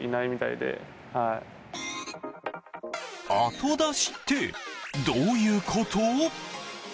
後出しって、どういうこと？